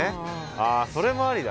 あそれもありだ。